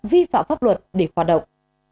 vi phạm pháp luật để hoạt động